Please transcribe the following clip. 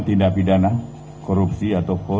tindak pidana korupsi atau